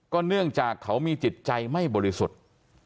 เนื่องจากเขามีจิตใจไม่บริสุทธิ์